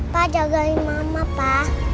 pa jagain mama pa